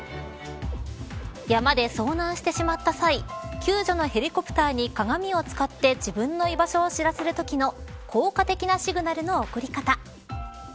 山で遭難してしまった際救助のヘリコプターに鏡を使って自分の居場所を知らせるときの効果的なシグナルの送り方。